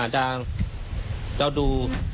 ด้านเราดู